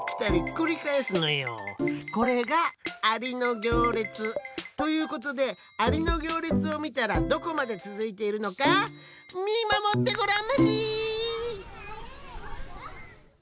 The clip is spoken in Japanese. これが「アリのぎょうれつ」。ということでアリのぎょうれつをみたらどこまでつづいているのかみまもってごらんまし！